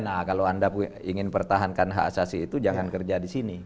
nah kalau anda ingin pertahankan hak asasi itu jangan kerja di sini